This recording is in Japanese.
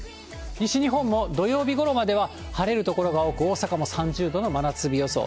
西日本も土曜日ごろまでは晴れる所が多く、大阪も３０度の真夏日予想。